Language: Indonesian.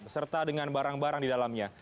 serta dengan barang barang di dalamnya